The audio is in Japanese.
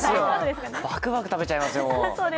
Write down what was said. バクバク食べちゃいますよ。